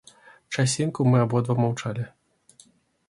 Часінку мы абодва маўчалі.